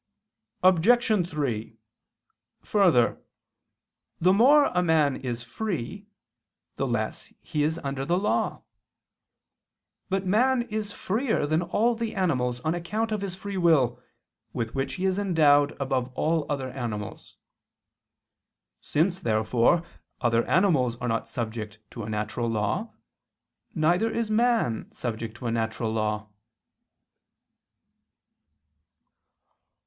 Obj. 3: Further, the more a man is free, the less is he under the law. But man is freer than all the animals, on account of his free will, with which he is endowed above all other animals. Since therefore other animals are not subject to a natural law, neither is man subject to a natural law.